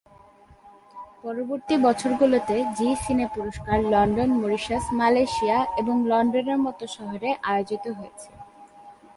পরবর্তী বছরগুলোতে জি সিনে পুরস্কার লন্ডন, মরিশাস, মালয়েশিয়া এবং লন্ডনের মতো শহরে আয়োজিত হয়েছে।